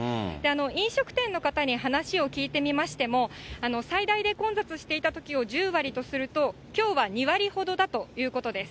飲食店の方に話を聞いてみましても、最大で混雑していたときを１０割とすると、きょうは２割ほどだということです。